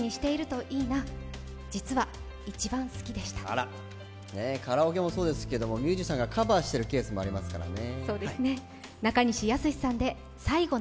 あらっ、カラオケもそうですけど、ミュージシャンがカバーしているケースもありますからね。